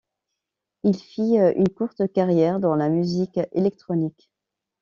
Il fit une courte carrière dans la musique électronique.